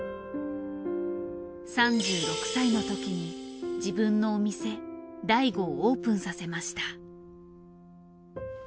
３６歳のときに自分のお店醍醐をオープンさせました。